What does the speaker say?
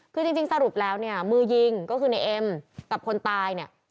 คือจริงสรุปแล้วเนี่ยมือยิงก็คือในเอ็มกับคนตายเนี่ย